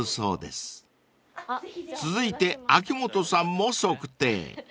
［続いて秋元さんも測定］